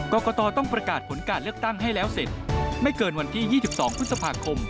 กรกตต้องประกาศผลการเลือกตั้งให้แล้วเสร็จไม่เกินวันที่๒๒พฤษภาคม